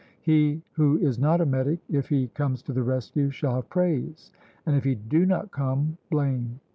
He who is not a metic, if he comes to the rescue, shall have praise, and if he do not come, blame.